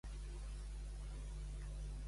Per Sant Josep, el borró al cep.